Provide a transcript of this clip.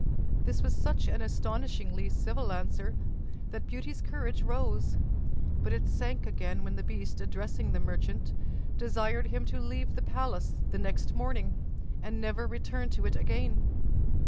This was such an astonishingly civil answer that Beauty's courage rose: but it sank again when the beast, addressing the merchant, desired him to leave the palace next morning, and never return to it again.